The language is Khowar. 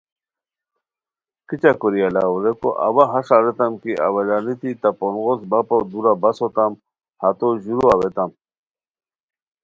کیچہ کوری الاؤ؟ ریکو اوا ہݰ اریتام کی اولانیتی تہ پونغوس بپو دورا بس ہوتام ہتو ژورو اویتام